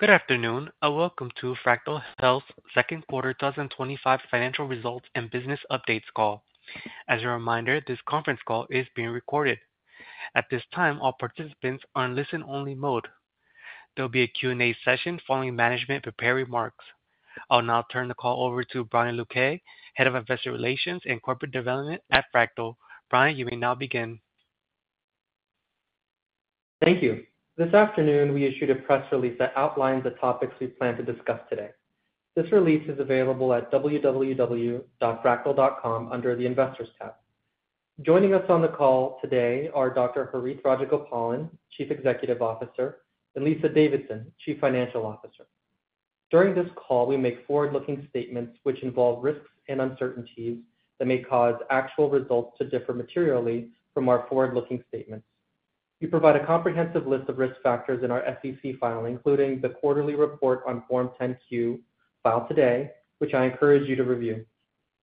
Good afternoon and welcome to Fractyl Health's Second Quarter 2025 Financial Results and Business Updates Call. As a reminder, this conference call is being recorded. At this time, all participants are in listen-only mode. There will be a Q&A session following management prepared remarks. I'll now turn the call over to Brian Luque, Head of Investor Relations and Corporate Development at Fractyl. Brian, you may now begin. Thank you. This afternoon, we issued a press release that outlines the topics we plan to discuss today. This release is available at www.fractyl.com under the Investors tab. Joining us on the call today are Dr. Harith Rajagopalan, Chief Executive Officer, and Lisa Davidson, Chief Financial Officer. During this call, we make forward-looking statements, which involve risks and uncertainties that may cause actual results to differ materially from our forward-looking statements. We provide a comprehensive list of risk factors in our SEC file, including the quarterly report on Form 10-Q filed today, which I encourage you to review.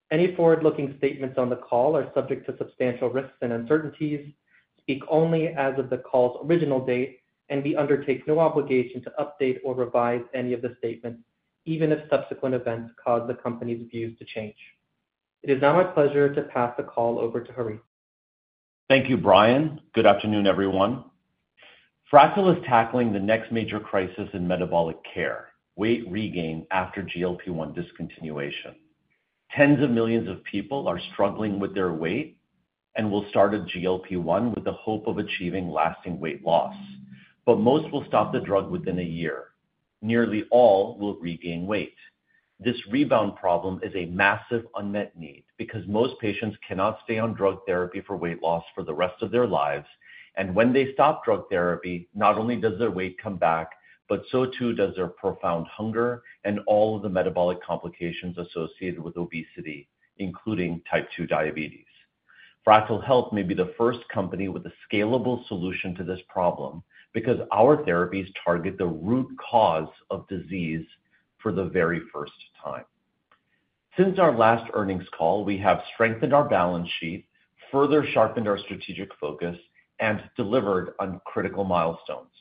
Any forward-looking statements on the call are subject to substantial risks and uncertainties, speak only as of the call's original date, and we undertake no obligation to update or revise any of the statements, even if subsequent events cause the company's views to change. It is now my pleasure to pass the call over to Harith. Thank you, Brian. Good afternoon, everyone. Fractyl is tackling the next major crisis in metabolic care: weight regain after GLP-1 discontinuation. Tens of millions of people are struggling with their weight and will start a GLP-1 with the hope of achieving lasting weight loss. Most will stop the drug within a year. Nearly all will regain weight. This rebound problem is a massive unmet need because most patients cannot stay on drug therapy for weight loss for the rest of their lives. When they stop drug therapy, not only does their weight come back, but so too does their profound hunger and all of the metabolic complications associated with obesity, including Type 2 diabetes. Fractyl Health may be the first company with a scalable solution to this problem because our therapies target the root cause of disease for the very first time. Since our last earnings call, we have strengthened our balance sheet, further sharpened our strategic focus, and delivered on critical milestones.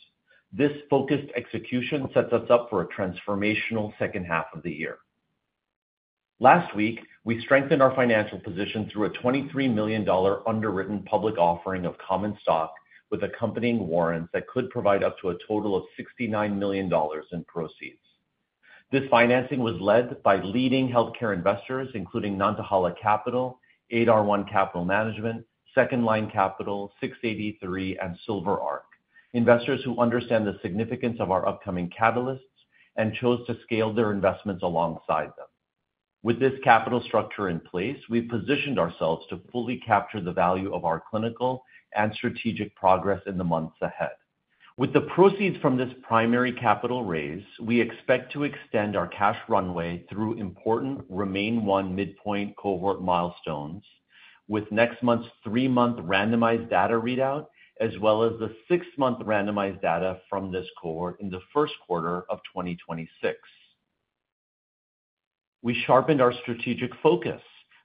This focused execution sets us up for a transformational second half of the year. Last week, we strengthened our financial position through a $23 million underwritten public offering of common stock with accompanying warrants that could provide up to a total of $69 million in proceeds. This financing was led by leading healthcare investors, including Nantahala Capital, ADAR1 Capital Management, Second Line Capital, 683 and SilverArc, investors who understand the significance of our upcoming catalysts and chose to scale their investments alongside them. With this capital structure in place, we've positioned ourselves to fully capture the value of our clinical and strategic progress in the months ahead. With the proceeds from this primary capital raise, we expect to extend our cash runway through important REMAIN-1 Midpoint Cohort milestones, with next three-month randomized data readout, as well as six-month randomized data from this cohort in the First Quarter of 2026. We sharpened our strategic focus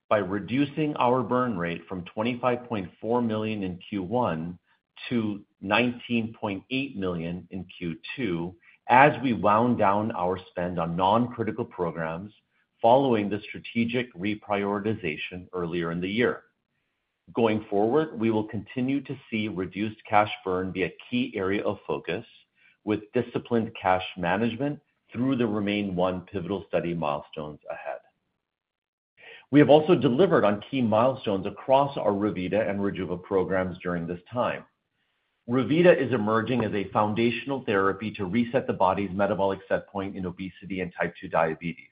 by reducing our burn rate from $25.4 million in Q1 to $19.8 million in Q2, as we wound down our spend on non critical programs following the strategic reprioritization earlier in the year. Going forward, we will continue to see reduced cash burn be a key area of focus with disciplined cash management through the REMAIN-1 pivotal study milestones ahead. We have also delivered on key milestones across our Revita and Rejuva programs during this time. Revita is emerging as a foundational therapy to reset the body's metabolic set point in obesity and Type 2 diabetes.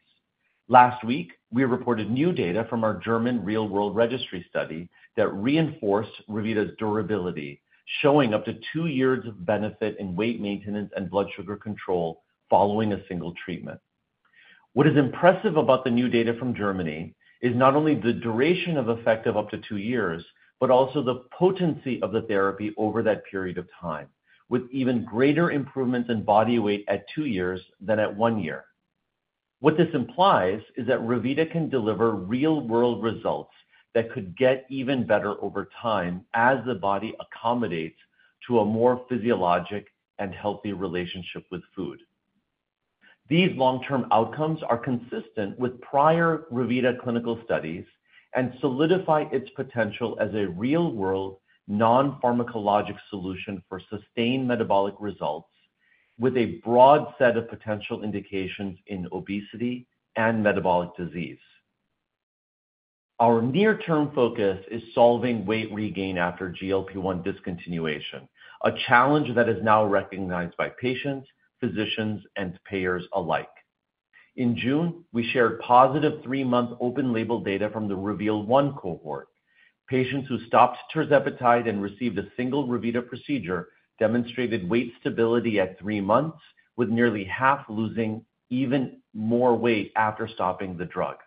Last week, we reported new data from our German real world registry study that reinforced Revita's durability, showing up to two years of benefit in weight maintenance and blood sugar control following a single treatment. What is impressive about the new data from Germany is not only the duration of effect of up to two years, but also the potency of the therapy over that period of time, with even greater improvements in body weight at two years than at one year. What this implies is that Revita can deliver real world results that could get even better over time as the body accommodates to a more physiologic and healthy relationship with food. These long term outcomes are consistent with prior Revita clinical studies and solidify its potential as a real world non-pharmacologic solution for sustained metabolic results with a broad set of potential indications in obesity and metabolic disease. Our near term focus is solving weight regain after GLP-1 discontinuation, a challenge that is now recognized by patients, physicians, and payers alike. In June, we shared three-month open-label data from the REVEAL-1 Cohort. Patients who stopped tirzepatide and received a single Revita procedure demonstrated weight stability at three-months, with nearly half losing even more weight after stopping the drug.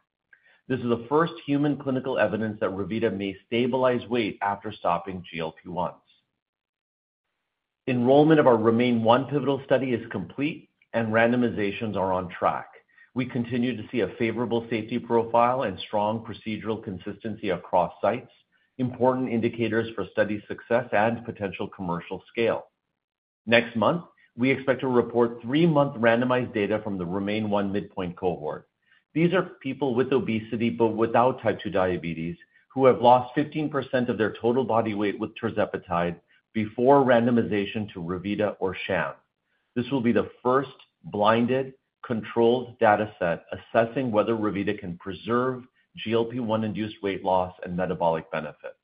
This is the first human clinical evidence that Revita may stabilize weight after stopping GLP-1. Enrollment of our REMAIN-1 pivotal study is complete, and randomizations are on track. We continue to see a favorable safety profile and strong procedural consistency across sites, important indicators for study success and potential commercial scale. Next month, we expect to report three-month randomized data from the REMAIN-1 Midpoint Cohort. These are people with obesity but without Type 2 diabetes who have lost 15% of their total body weight with tirzepatide before randomization to Revita or sham. This will be the first blinded controlled data set assessing whether Revita can preserve GLP-1 induced weight loss and metabolic benefit.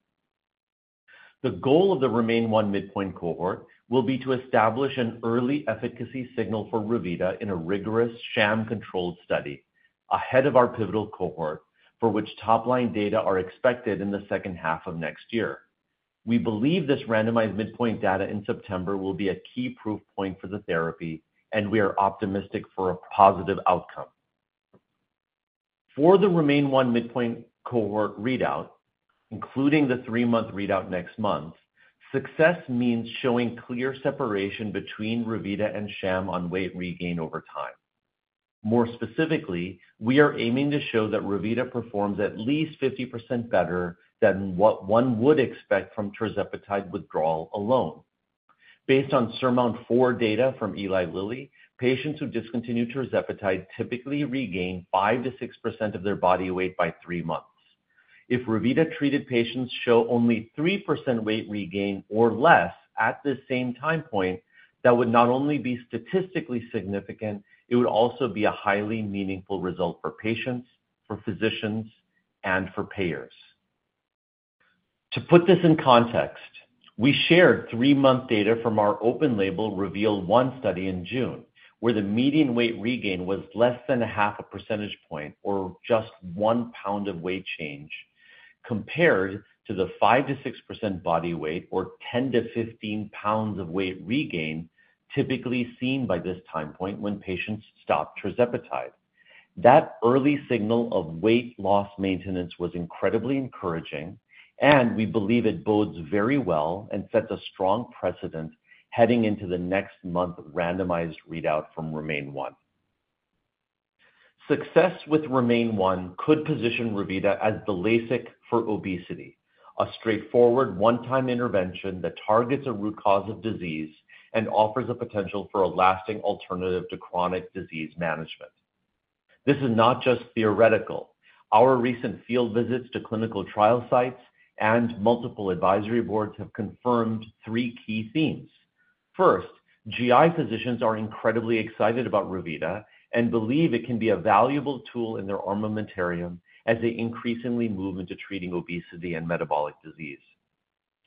The goal of the REMAIN-1 Midpoint Cohort will be to establish an early efficacy signal for Revita in a rigorous sham-controlled study ahead of our pivotal cohort, for which top-line data are expected in the second half of next year. We believe this randomized midpoint data in September will be a key proof point for the therapy, and we are optimistic for a positive outcome. For the REMAIN-1 Midpoint Cohort readout, including three-month readout next month, success means showing clear separation between Revita and sham on weight regain over time. More specifically, we are aiming to show that Revita performs at least 50% better than what one would expect from tirzepatide withdrawal alone. Based on SURMOUNT-4 data from Eli Lilly, patients who discontinue tirzepatide typically regain 5%-6% of their body weight by three-months. If Revita-treated patients show only 3% weight regain or less at the same time point, that would not only be statistically significant, it would also be a highly meaningful result for patients, for physicians, and for payers. To put this in context, we shared three-month data from our open-label REVEAL-1 study in June, where the median weight regain was less than a half a percentage point or just one pound of weight change compared to the 5%-6% body weight or 10 lbs-15 lbs of weight regain typically seen by this time point when patients stop tirzepatide. That early signal of weight loss maintenance was incredibly encouraging, and we believe it bodes very well and sets a strong precedent heading into the next month randomized readout from REMAIN-1. Success with REMAIN-1 could position Revita as the LASIK for obesity, a straightforward one-time intervention that targets a root cause of disease and offers the potential for a lasting alternative to chronic disease management. This is not just theoretical. Our recent field visits to clinical trial sites and multiple advisory boards have confirmed three key themes. First, GI physicians are incredibly excited about Revita and believe it can be a valuable tool in their armamentarium as they increasingly move into treating obesity and metabolic disease.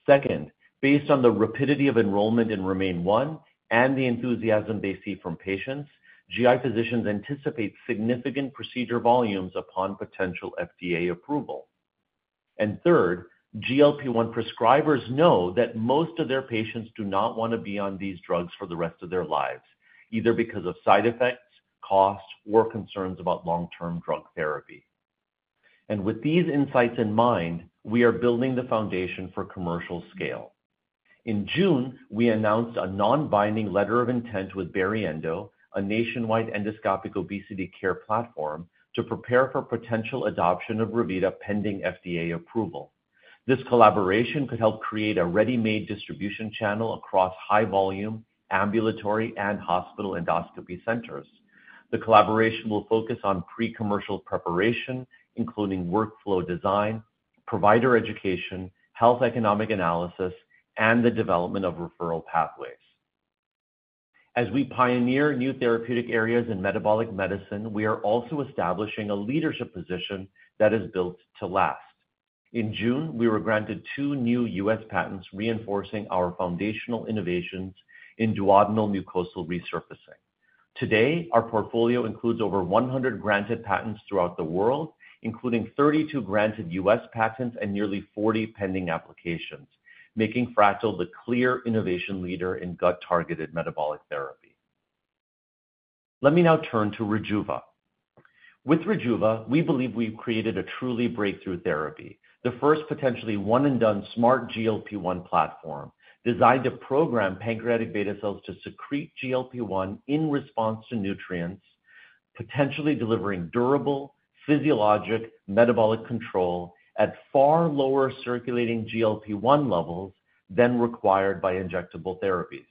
Second, based on the rapidity of enrollment in REMAIN-1 and the enthusiasm they see from patients, GI physicians anticipate significant procedure volumes upon potential FDA approval. Third, GLP-1 prescribers know that most of their patients do not want to be on these drugs for the rest of their lives, either because of side effects, cost, or concerns about long term drug therapy. With these insights in mind, we are building the foundation for commercial scale. In June, we announced a non-binding letter of intent with Bariendo, a nationwide endoscopic obesity care platform, to prepare for potential adoption of Revita pending FDA approval. This collaboration could help create a ready-made distribution channel across high-volume ambulatory and hospital endoscopy centers. The collaboration will focus on pre-commercial preparation, including workflow design, provider education, health economic analysis, and the development of referral pathways. As we pioneer new therapeutic areas in metabolic medicine, we are also establishing a leadership position that is built to last. In June, we were granted two new U.S. patents, reinforcing our foundational innovations in duodenal mucosal resurfacing. Today, our portfolio includes over 100 granted patents throughout the world, including 32 granted U.S. patents and nearly 40 pending applications, making Fractyl the clear innovation leader in gut-targeted metabolic therapy. Let me now turn to Rejuva. With Rejuva, we believe we've created a truly breakthrough therapy, the first potentially one-and-done smart GLP-1 platform designed to program pancreatic beta cells to secrete GLP-1 in response to nutrients, potentially delivering durable physiologic metabolic control at far lower circulating GLP-1 levels than required by injectable therapies.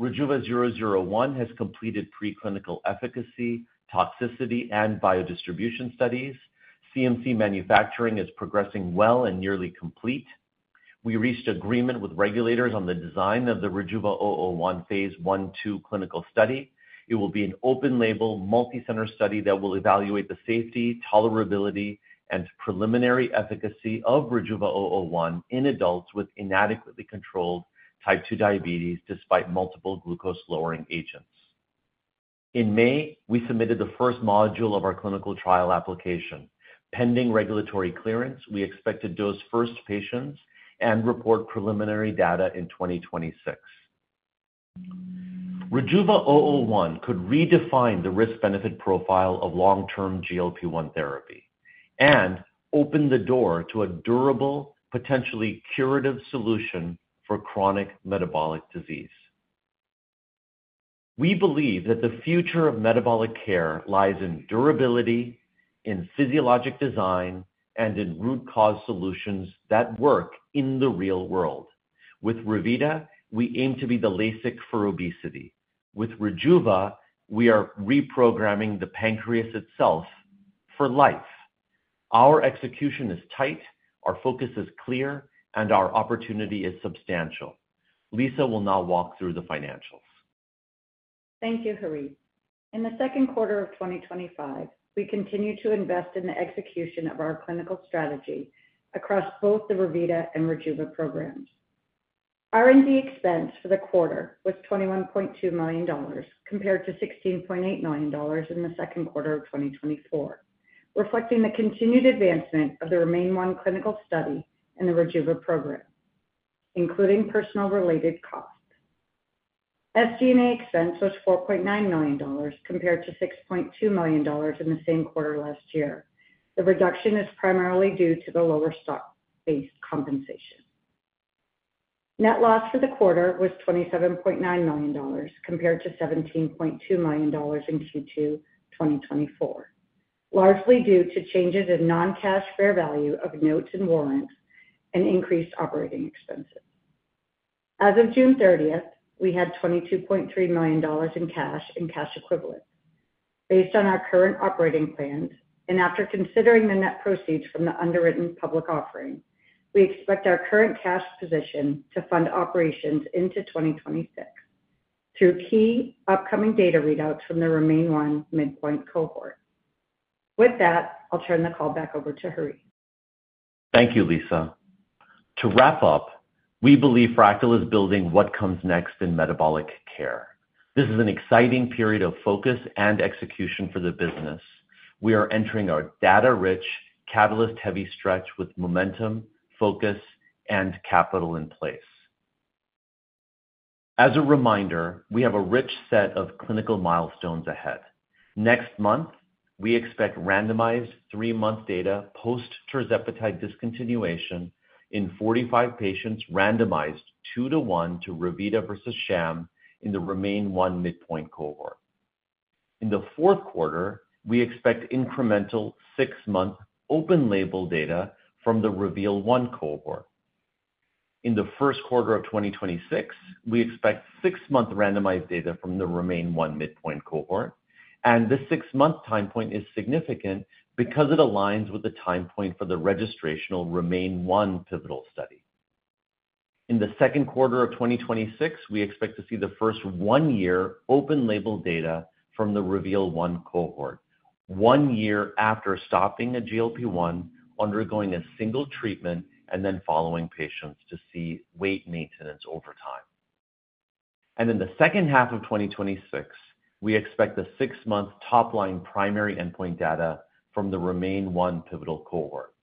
RJVA-001 has completed preclinical efficacy, toxicity, and biodistribution studies. CMC manufacturing is progressing well and nearly complete. We reached agreement with regulators on the design of the RJVA-001 phase I/II clinical study. It will be an open-label multicenter study that will evaluate the safety, tolerability, and preliminary efficacy of RJVA-001 in adults with inadequately controlled Type 2 diabetes despite multiple glucose-lowering agents. In May, we submitted the first module of our clinical trial application. Pending regulatory clearance, we expect to dose first patients and report preliminary data in 2026. RJVA-001 could redefine the risk benefit profile of long term GLP-1 therapy and open the door to a durable, potentially curative solution for chronic metabolic disease. We believe that the future of metabolic care lies in durability, in physiologic design, and in root cause solutions that work in the real world. With Revita, we aim to be the LASIK for obesity. With Rejuva, we are reprogramming the pancreas itself for life. Our execution is tight, our focus is clear, and our opportunity is substantial. Lisa will now walk through the financials. Thank you, Harith. In the second quarter of 2025, we continue to invest in the execution of our clinical strategy across both the Revita and Rejuva programs. R&D expense for the quarter was $21.2 million compared to $16.8 million in the second quarter of 2024, reflecting the continued advancement of the REMAIN-1 clinical study and the Rejuva program, including personnel related costs. SG&A expense was $12.9 million compared to $6.2 million in the same quarter last year. The reduction is primarily due to the lower stock-based compensation. Net loss for the quarter was $27.9 million compared to $17.2 million in Q2 2024, largely due to changes in non-cash fair value of notes and warrants and increased operating expenses. As of June 30th, we had $22.3 million in cash and cash equivalents. Based on our current operating plans and after considering the net proceeds from the underwritten public offering, we expect our current cash position to fund operations into 2026 through key upcoming data readouts from the REMAIN-1 Midpoint Cohort. With that, I'll turn the call back over to Harith. Thank you, Lisa. To wrap up, we believe Fractyl is building what comes next in metabolic care. This is an exciting period of focus and execution for the business. We are entering our data rich, catalyst heavy stretch with momentum, focus, and capital in place. As a reminder, we have a rich set of clinical milestones ahead. Next month, we expect randomized three-month data post-tirzepatide discontinuation in 45 patients randomized two to one to Revita versus sham in the REMAIN-1 Midpoint Cohort. In the fourth quarter, we expect incremental six-month open-label data from the REVEAL-1 cohort. In the first quarter of 2026, we expect six-month randomized data from the REMAIN-1 Midpoint Cohort, and this six-month time point is significant because it aligns with the time point for the registrational REMAIN-1 pivotal study. In the second quarter of 2026, we expect to see the first one year open label data from the REVEAL-1 Cohort, one year after stopping a GLP-1, undergoing a single treatment, and then following patients to see weight maintenance over time. In the second half of 2026, we expect the six-month top-line primary endpoint data from the REMAIN-1 pivotal cohort.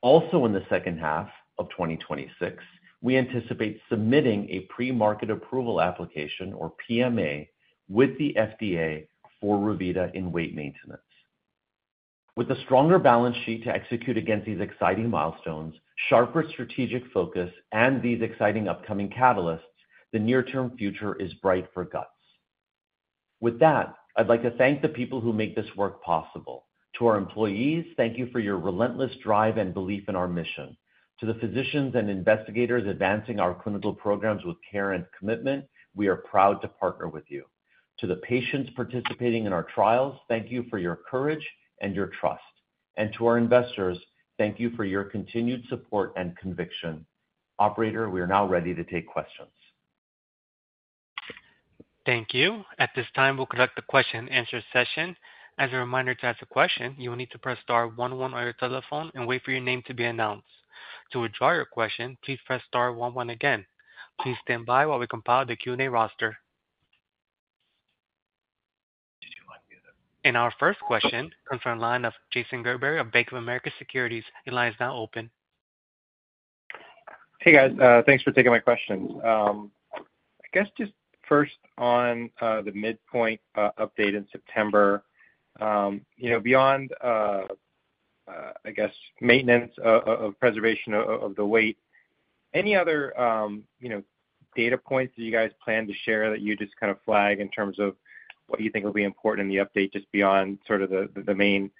Also, in the second half of 2026, we anticipate submitting a Premarket Approval application, or PMA, with the FDA for Revita in weight maintenance. With a stronger balance sheet to execute against these exciting milestones, sharper strategic focus, and these exciting upcoming catalysts, the near term future is bright for guts. With that, I'd like to thank the people who make this work possible. To our employees, thank you for your relentless drive and belief in our mission. To the physicians and investigators advancing our clinical programs with care and commitment, we are proud to partner with you. To the patients participating in our trials, thank you for your courage and your trust. To our investors, thank you for your continued support and conviction. Operator, we are now ready to take questions. Thank you. At this time, we'll conduct the question and answer session. As a reminder, to ask a question, you will need to press star one-one on your telephone and wait for your name to be announced. To withdraw your question, please press star one-one again. Please stand by while we compile the Q&A roster. Our first question comes from the line of Jason Gerberry of Bank of America Securities. The line is now open. Hey, guys. Thanks for taking my question. I guess just first on the midpoint update in September, beyond maintenance of preservation of the weight, any other data points that you guys plan to share that you just kind of flag in terms of what you think will be important in the update just beyond sort of the main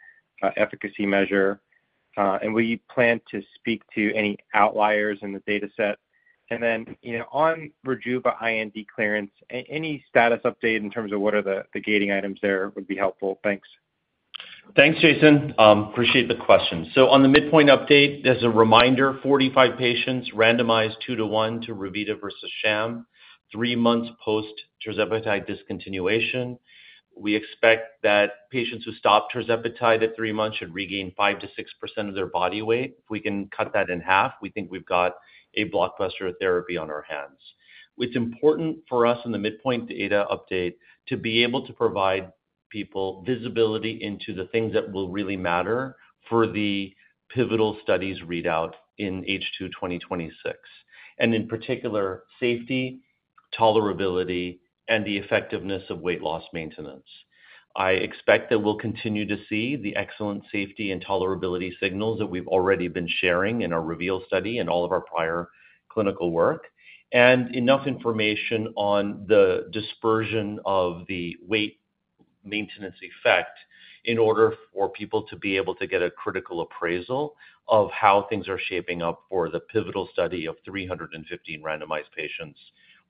efficacy measure? Do you plan to speak to any outliers in the data set? On Rejuva IND clearance, any status update in terms of what are the gating items there would be helpful. Thanks. Thanks, Jason. Appreciate the question. On the Midpoint update, as a reminder, 45 patients randomized two to one to Revita versus sham, three-months post-tirzepatide discontinuation. We expect that patients who stop tirzepatide at three-months should regain 5%-6% of their body weight. If we can cut that in half, we think we've got a blockbuster therapy on our hands. It's important for us in the midpoint data update to be able to provide people visibility into the things that will really matter for the pivotal studies readout in H2 2026, in particular, safety, tolerability, and the effectiveness of weight loss maintenance. I expect that we'll continue to see the excellent safety and tolerability signals that we've already been sharing in our REVEAL study and all of our prior clinical work, and enough information on the dispersion of the weight maintenance effect in order for people to be able to get a critical appraisal of how things are shaping up for the pivotal study of 315 randomized patients,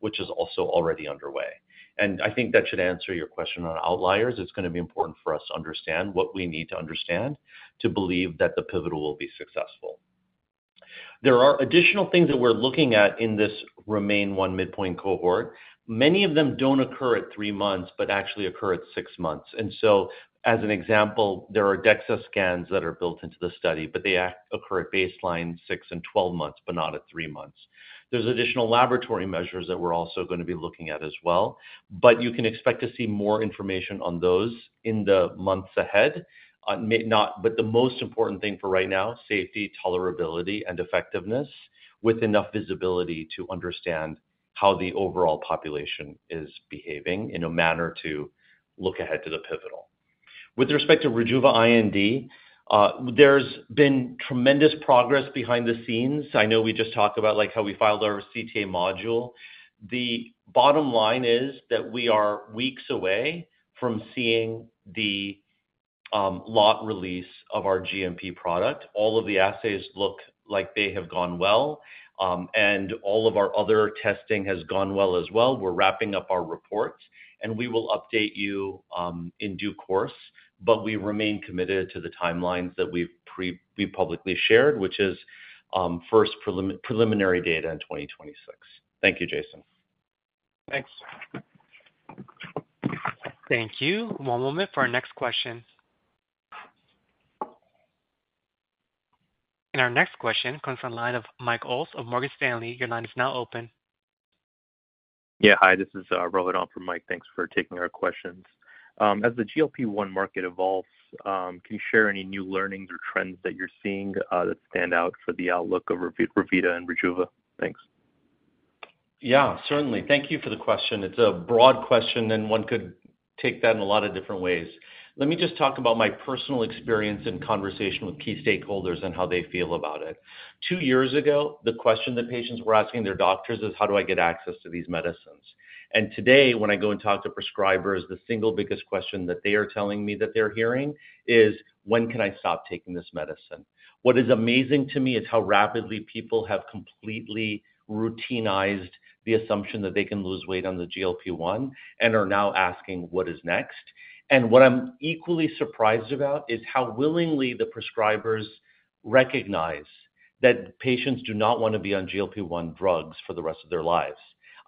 which is also already underway. That should answer your question on outliers. It's going to be important for us to understand what we need to understand to believe that the pivotal will be successful. There are additional things that we're looking at in this REMAIN-1 Midpoint Cohort. Many of them don't occur at three-months, but actually occur at six-months. As an example, there are DEXA scans that are built into the study, but they occur at baseline, six, and 12 months, but not at three months. There's additional laboratory measures that we're also going to be looking at as well. You can expect to see more information on those in the months ahead. It may not, but the most important thing for right now is safety, tolerability, and effectiveness with enough visibility to understand how the overall population is behaving in a manner to look ahead to the pivotal. With respect to Rejuva IND, there's been tremendous progress behind the scenes. I know we just talked about how we filed our CTA module. The bottom line is that we are weeks away from seeing the lot release of our GMP product. All of the assays look like they have gone well, and all of our other testing has gone well as well. We're wrapping up our report, and we will update you in due course. We remain committed to the timelines that we've publicly shared, which is first preliminary data in 2026. Thank you, Jason. Thank you. One moment for our next question. Our next question comes from the line of Mike Ols of Morgan Stanley. Your line is now open. Yeah, hi. This is Rohit on for Mike. Thanks for taking our questions. As the GLP-1 market evolves, can you share any new learnings or trends that you're seeing that stand out for the outlook of Revita and Rejuva? Thanks. Yeah, certainly. Thank you for the question. It's a broad question, and one could take that in a lot of different ways. Let me just talk about my personal experience in conversation with key stakeholders and how they feel about it. Two years ago, the question that patients were asking their doctors is, "How do I get access to these medicines?" Today, when I go and talk to prescribers, the single biggest question that they are telling me that they're hearing is, "When can I stop taking this medicine?" What is amazing to me is how rapidly people have completely routinized the assumption that they can lose weight on the GLP-1 and are now asking, "What is next?" I'm equally surprised about how willingly the prescribers recognize that patients do not want to be on GLP-1 drugs for the rest of their lives.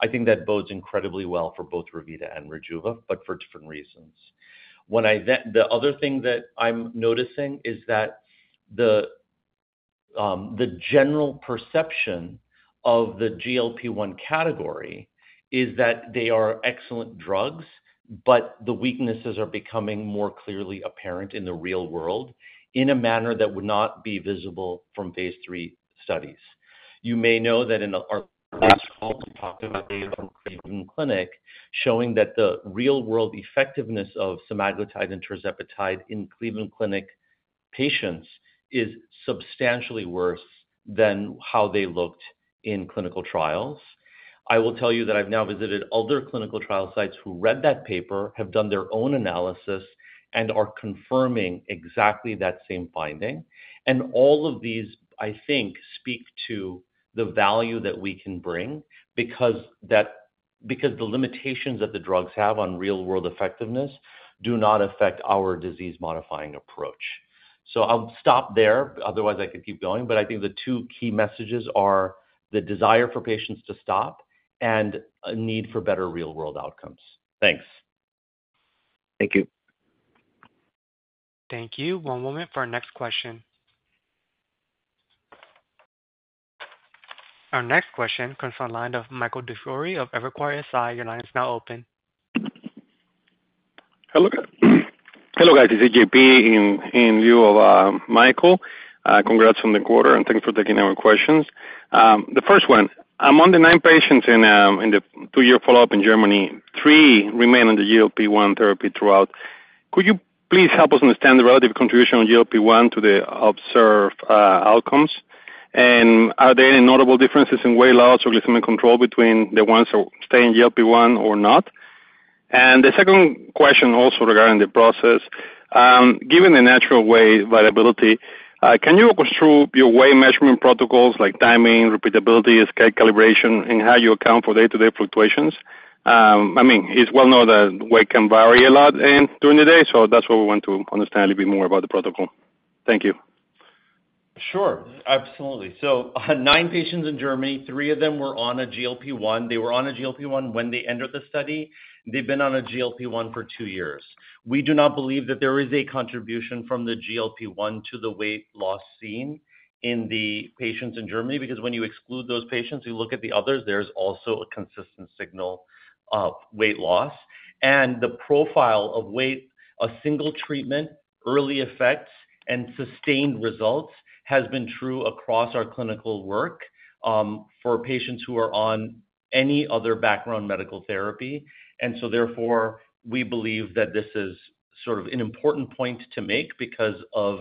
I think that bodes incredibly well for both Revita and Rejuva, but for different reasons. The other thing that I'm noticing is that the general perception of the GLP-1 category is that they are excellent drugs, but the weaknesses are becoming more clearly apparent in the real world in a manner that would not be visible from phase III studies. You may know that in our last call, talking about Cleveland Clinic, showing that the real world effectiveness of semaglutide and tirzepatide in Cleveland Clinic patients is substantially worse than how they looked in clinical trials. I will tell you that I've now visited other clinical trial sites who read that paper, have done their own analysis, and are confirming exactly that same finding. All of these, I think, speak to the value that we can bring because the limitations that the drugs have on real world effectiveness do not affect our disease modifying approach. I'll stop there. I think the two key messages are the desire for patients to stop and a need for better real world outcomes. Thanks. Thank you. Thank you. One moment for our next question. Our next question comes from a line of Michael DiFiore of Evercore ISI. Your line is now open. Hello, guys. This is JP in view of Michael. Congrats from the quarter and thanks for taking our questions. The first one, among the nine patients in the two-year follow-up in Germany, three remain on the GLP-1 therapy throughout. Could you please help us understand the relative contribution of GLP-1 to the observed outcomes? Are there any notable differences in weight loss or glycemic control between the ones that stay in GLP-1 or not? The second question also regarding the process, given the natural weight variability, can you construe your weight measurement protocols like timing, repeatability, escape calibration, and how you account for day-to-day fluctuations? It's well known that weight can vary a lot during the day, so that's what we want to understand a little bit more about the protocol. Thank you. Sure. Absolutely. Nine patients in Germany, three of them were on a GLP-1. They were on a GLP-1 when they entered the study. They've been on a GLP-1 for two years. We do not believe that there is a contribution from the GLP-1 to the weight loss seen in the patients in Germany because when you exclude those patients, you look at the others, there's also a consistent signal of weight loss. The profile of weight, a single treatment, early effects, and sustained results has been true across our clinical work for patients who are on any other background medical therapy. Therefore, we believe that this is sort of an important point to make because of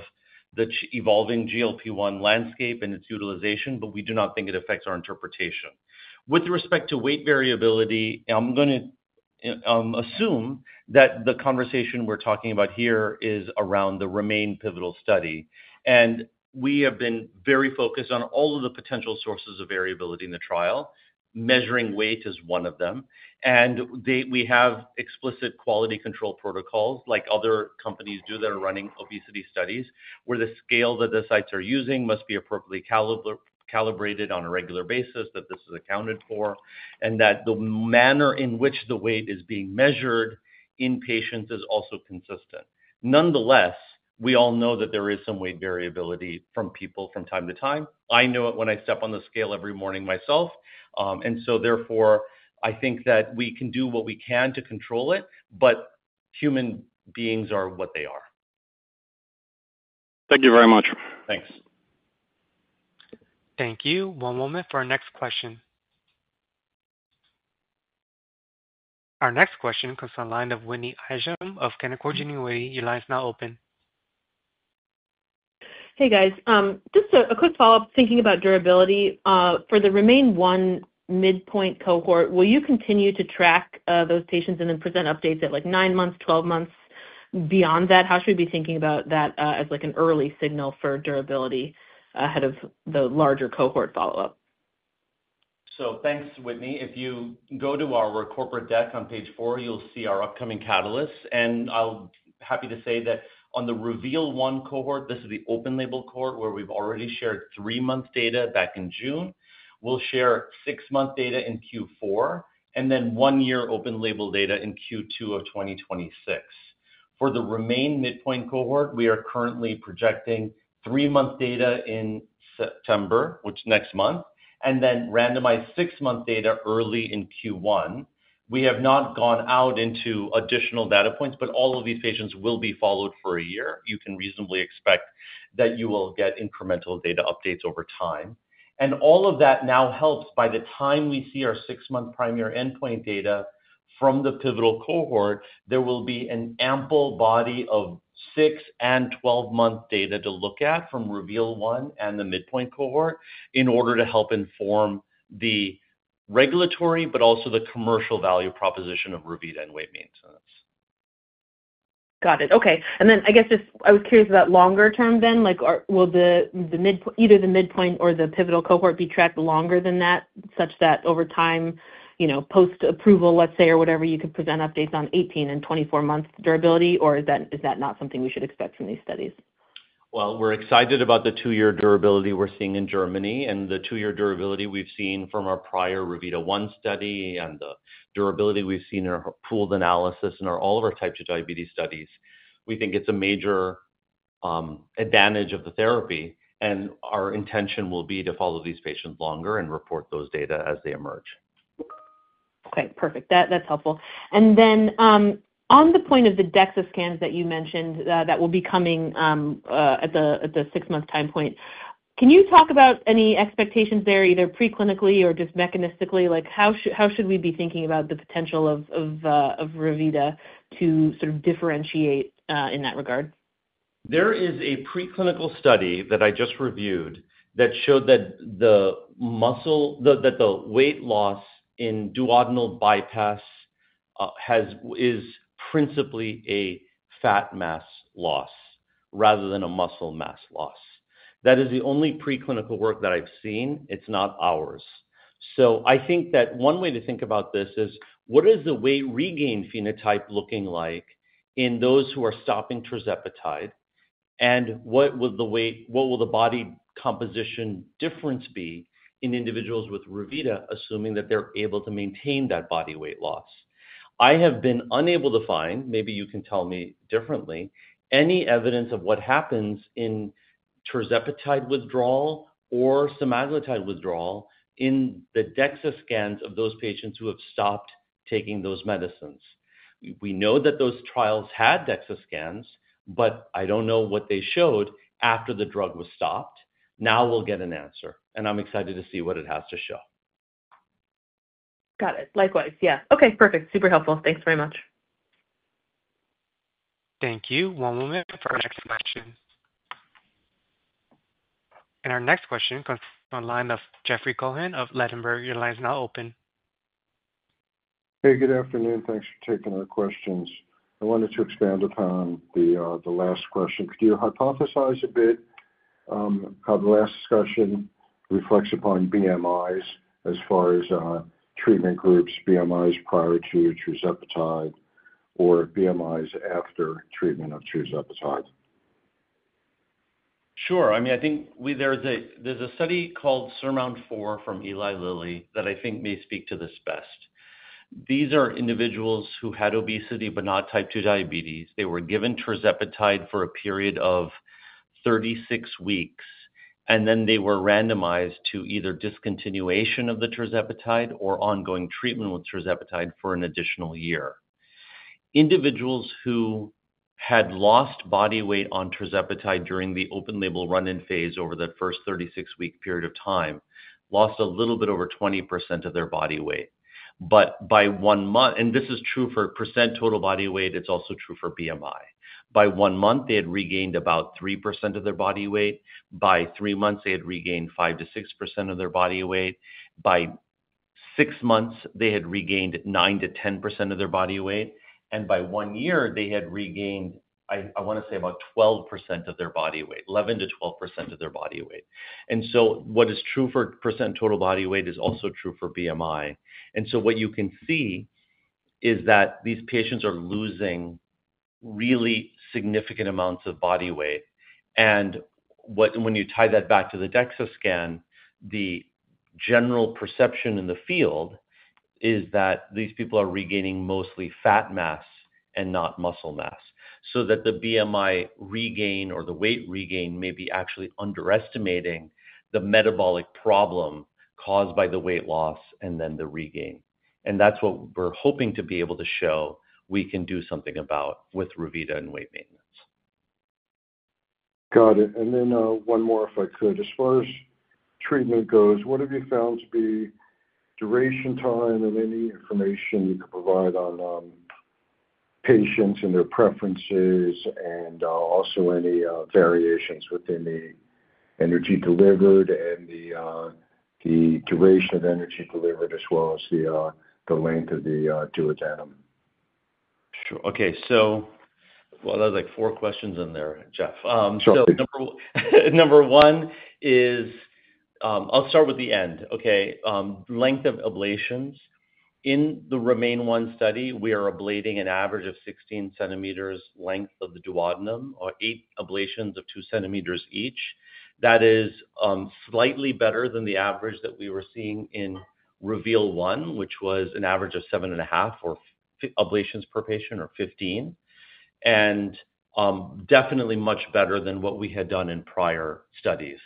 the evolving GLP-1 landscape and its utilization, but we do not think it affects our interpretation. With respect to weight variability, I'm going to assume that the conversation we're talking about here is around the REMAIN pivotal study. We have been very focused on all of the potential sources of variability in the trial, measuring weight as one of them. We have explicit quality control protocols like other companies do that are running obesity studies, where the scale that the sites are using must be appropriately calibrated on a regular basis, that this is accounted for, and that the manner in which the weight is being measured in patients is also consistent. Nonetheless, we all know that there is some weight variability from people from time to time. I know it when I step on the scale every morning myself. Therefore, I think that we can do what we can to control it, but human beings are what they are. Thank you very much. Thanks. Thank you. One moment for our next question. Our next question comes from a line of Whitney Ijem of Canaccord Genuity. Your line is now open. Hey, guys. Just a quick follow-up. Thinking about durability for the REMAIN-1 Midpoint Cohort, will you continue to track those patients and then present updates at like nine months, 12 months? Beyond that, how should we be thinking about that as like an early signal for durability ahead of the larger cohort follow-up? Thank you, Whitney. If you go to our corporate deck on page four, you'll see our upcoming catalysts. I'm happy to say that on the REVEAL-1 Cohort, this is the open-label cohort where we've already shared three-month data back in June. We'll share six-month data in Q4, and then one-year open-label data in Q2 of 2026. For the REMAIN Midpoint Cohort, we are currently projecting three-month data in September, which is next month, and then randomized six-month data early in Q1. We have not gone out into additional data points, but all of these patients will be followed for a year. You can reasonably expect that you will get incremental data updates over time. All of that now helps by the time we see our six-month primary endpoint data from the pivotal cohort, there will be an ample body of six and 12 month data to look at from REVEAL-1 and the Midpoint Cohort in order to help inform the regulatory, but also the commercial value proposition of Revita and [weight maintenance]. Got it. Okay. I was curious about longer term then. Will either the midpoint or the pivotal cohort be tracked longer than that such that over time, you know, post approval, let's say, or whatever, you could present updates on 18 and 24 month durability, or is that not something we should expect from these studies? We are excited about the two year durability we are seeing in Germany and the two year durability we have seen from our prior REVITA-1 study and the durability we have seen in our pooled analysis and all of our types of diabetes studies. We think it is a major advantage of the therapy, and our intention will be to follow these patients longer and report those data as they emerge. Okay. Perfect. That's helpful. On the point of the DEXA scans that you mentioned that will be coming at the six-month time point, can you talk about any expectations there either preclinically or just mechanistically? How should we be thinking about the potential of Revita to sort of differentiate in that regard? There is a preclinical study that I just reviewed that showed that the weight loss in duodenal bypass is principally a fat mass loss rather than a muscle mass loss. That is the only preclinical work that I've seen. It's not ours. I think that one way to think about this is what is the weight regain phenotype looking like in those who are stopping tirzepatide? What will the body composition difference be in individuals with Revita, assuming that they're able to maintain that body weight loss? I have been unable to find, maybe you can tell me differently, any evidence of what happens in tirzepatide withdrawal or semaglutide withdrawal in the DEXA scans of those patients who have stopped taking those medicines. We know that those trials had DEXA scans, but I don't know what they showed after the drug was stopped. Now we'll get an answer, and I'm excited to see what it has to show. Got it. Likewise. Okay. Perfect. Super helpful. Thanks very much. Thank you. One moment for our next question. Our next question comes from the line of Jeffrey Cohen of Ladenburg. Your line is now open. Hey, good afternoon. Thanks for taking our questions. I wanted to expand upon the last question. Could you hypothesize a bit how the last discussion reflects upon BMIs as far as treatment groups, BMIs prior to tirzepatide or BMIs after treatment of tirzepatide? Sure. I mean, I think there's a study called SURMOUNT-4 from Eli Lilly that I think may speak to this best. These are individuals who had obesity but not Type 2 diabetes. They were given tirzepatide for a period of 36 weeks, and then they were randomized to either discontinuation of the tirzepatide or ongoing treatment with tirzepatide for an additional year. Individuals who had lost body weight on tirzepatide during the open-label run-in phase over that first 36 week period of time lost a little bit over 20% of their body weight. By one month, and this is true for percent total body weight, it's also true for BMI. By one month, they had regained about 3% of their body weight. By three months, they had regained 5%-6% of their body weight. By six months, they had regained 9%-10% of their body weight. By one year, they had regained, I want to say, about 12% of their body weight, 11%-12% of their body weight. What is true for percent total body weight is also true for BMI. What you can see is that these patients are losing really significant amounts of body weight. When you tie that back to the DEXA scan, the general perception in the field is that these people are regaining mostly fat mass and not muscle mass, so that the BMI regain or the weight regain may be actually underestimating the metabolic problem caused by the weight loss and then the regain. That's what we're hoping to be able to show we can do something about with Revita and weight maintenance. Got it. One more, if I could. As far as treatment goes, what have you found to be duration, time, and any information you could provide on patients and their preferences, and also any variations within the energy delivered and the duration of energy delivered as well as the length of the duodenum? Sure. Okay. There's like four questions in there, Jeff. Number one is I'll start with the end, okay? Length of ablations. In the REMAIN-1 study, we are ablating an average of 16 cm length of the duodenum, or eight ablations of 2 cm each. That is slightly better than the average that we were seeing in REVEAL-1, which was an average of seven and a half ablations per patient or 15, and definitely much better than what we had done in prior studies.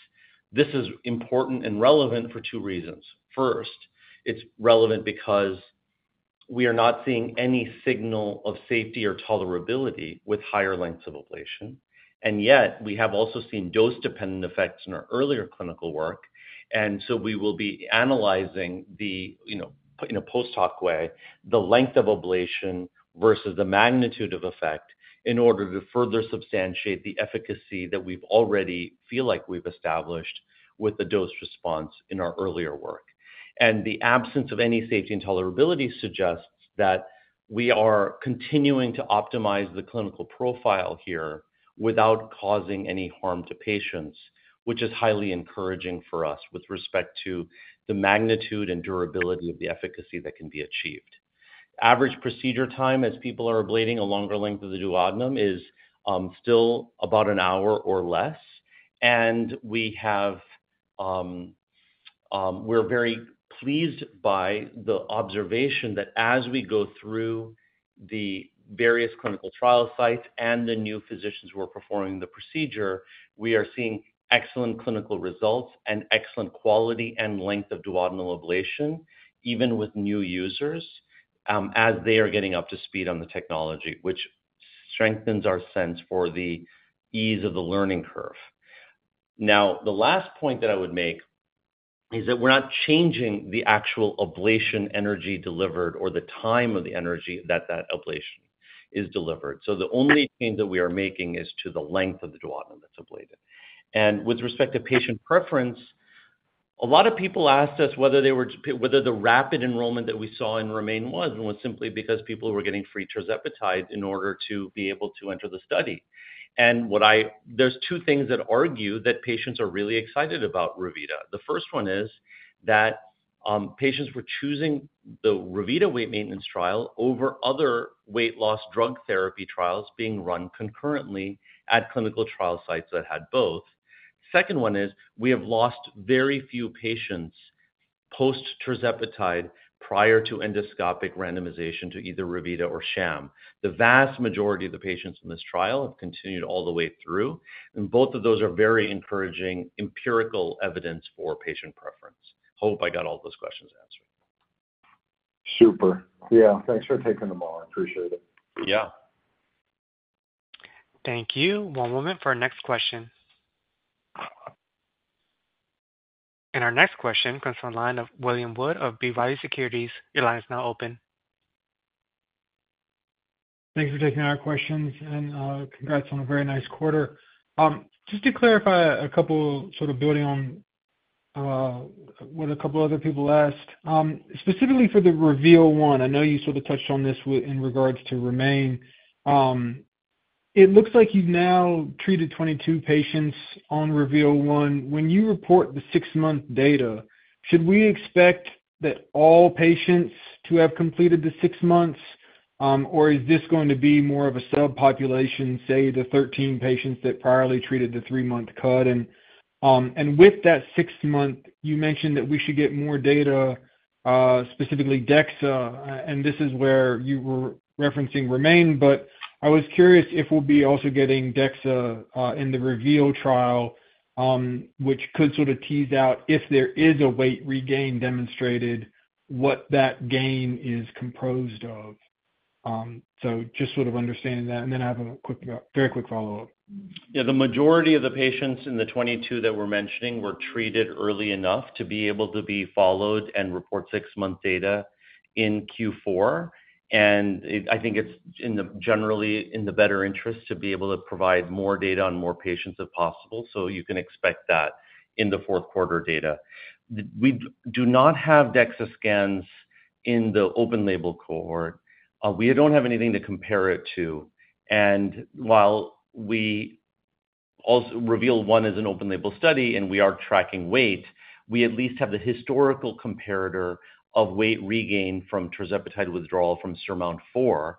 This is important and relevant for two reasons. First, it's relevant because we are not seeing any signal of safety or tolerability with higher lengths of ablation. Yet, we have also seen dose-dependent effects in our earlier clinical work. We will be analyzing, in a post-hoc way, the length of ablation versus the magnitude of effect in order to further substantiate the efficacy that we already feel like we've established with the dose response in our earlier work. The absence of any safety and tolerability suggests that we are continuing to optimize the clinical profile here without causing any harm to patients, which is highly encouraging for us with respect to the magnitude and durability of the efficacy that can be achieved. Average procedure time as people are ablating a longer length of the duodenum is still about an hour or less. We're very pleased by the observation that as we go through the various clinical trial sites and the new physicians who are performing the procedure, we are seeing excellent clinical results and excellent quality and length of duodenal ablation, even with new users as they are getting up to speed on the technology, which strengthens our sense for the ease of the learning curve. The last point that I would make is that we're not changing the actual ablation energy delivered or the time of the energy that ablation is delivered. The only change that we are making is to the length of the duodenum that's ablated. With respect to patient preference, a lot of people asked us whether the rapid enrollment that we saw in REMAIN-1 was simply because people were getting free tirzepatide in order to be able to enter the study. There are two things that argue that patients are really excited about Revita. The first one is that patients were choosing the Revita Weight Maintenance trial over other weight loss drug therapy trials being run concurrently at clinical trial sites that had both. The second one is we have lost very few patients post-tirzepatide prior to endoscopic randomization to either Revita or sham. The vast majority of the patients in this trial have continued all the way through, and both of those are very encouraging empirical evidence for patient preference. Hope I got all those questions answered. Super. Yeah, thanks for taking them all. I appreciate it. Yeah. Thank you. One moment for our next question. Our next question comes from a line of William Wood of B. Riley Securities. Your line is now open. Thanks for taking our questions, and congrats on a very nice quarter. Just to clarify a couple, sort of building on what a couple of other people asked, specifically for the REVEAL-1, I know you sort of touched on this in regards to REMAIN. It looks like you've now treated 22 patients on REVEAL-1. When you report the six-month data, should we expect all patients to have completed the six months, or is this going to be more of a subpopulation, say, the 13 patients that priorly treated the three-month cut? With that six months, you mentioned that we should get more data, specifically DEXA, and this is where you were referencing REMAIN. I was curious if we'll be also getting DEXA in the REVEAL trial, which could sort of tease out if there is a weight regain demonstrated, what that gain is composed of. Just sort of understanding that. I have a very quick follow-up. Yeah. The majority of the patients in the 22 that we're mentioning were treated early enough to be able to be followed and report six-month data in Q4. I think it's generally in the better interest to be able to provide more data on more patients if possible. You can expect that in the fourth quarter data. We do not have DEXA scans in the open-label cohort. We don't have anything to compare it to. While REVEAL-1 is an open-label study and we are tracking weight, we at least have the historical comparator of weight regain from tirzepatide withdrawal from SURMOUNT-4.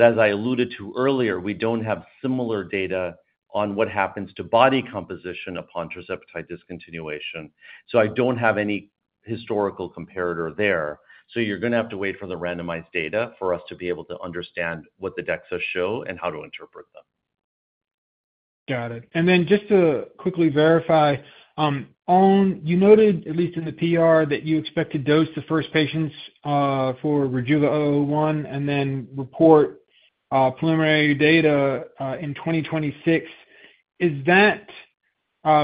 As I alluded to earlier, we don't have similar data on what happens to body composition upon tirzepatide discontinuation. I don't have any historical comparator there. You're going to have to wait for the randomized data for us to be able to understand what the DEXA show and how to interpret them. Got it. Just to quickly verify, you noted, at least in the PR, that you expect to dose the first patients for RJVA-001 and then report preliminary data in 2026. Is that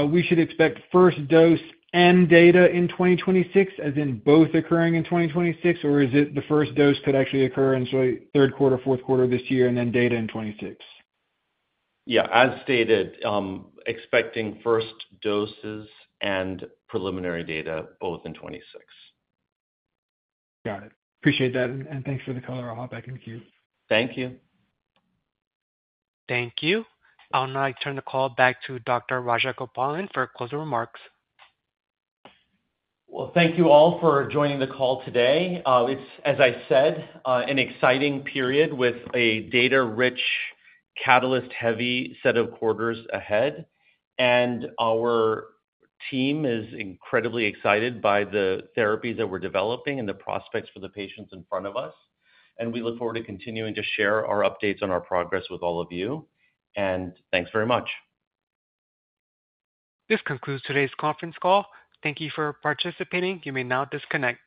we should expect first dose and data in 2026, as in both occurring in 2026, or is it the first dose could actually occur in third quarter, fourth quarter of this year, and then data in 2026? Yeah. As stated, expecting first doses and preliminary data both in 2026. Got it. Appreciate that. Thanks for the color. I'll hop back in the queue. Thank you. Thank you. I'll now turn the call back to Dr. Rajagopalan for closing remarks. Thank you all for joining the call today. It's, as I said, an exciting period with a data rich, catalyst heavy set of quarters ahead. Our team is incredibly excited by the therapies that we're developing and the prospects for the patients in front of us. We look forward to continuing to share our updates on our progress with all of you. Thanks very much. This concludes today's conference call. Thank you for participating. You may now disconnect.